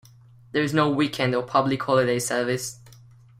There is no weekend or public holiday service.